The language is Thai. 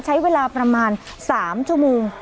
ใช้เวลาประมาณ๓ชั่วโมง